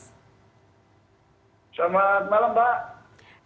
selamat malam pak